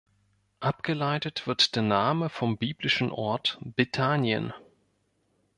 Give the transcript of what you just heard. Abgeleitet wird der Name vom biblischen Ort Bethanien.